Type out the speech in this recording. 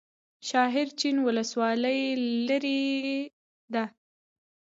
شاحرچین ولسوالۍ لیرې ده؟